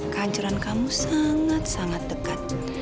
kehancuran kamu sangat sangat dekat